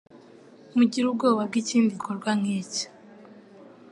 mugire ubwoba bwikindi gikorwa nkiki